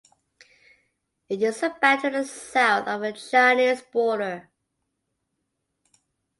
It is about to the south of the Chinese border.